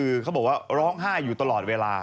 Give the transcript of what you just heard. เราห้าอยู่ตลอดเวลา